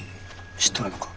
知っとるのか？